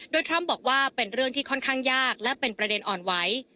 โดยทรัมป์บอกว่าเป็นเรื่องที่ค่อนข้างยากและเป็นประเด็นอ่อนไหว